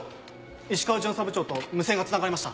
石川巡査部長と無線がつながりました。